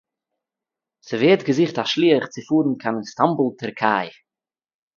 ס'ווערט געזוכט אַ שליח צו פאָרן קיין איסטאַנבול, טערקיי.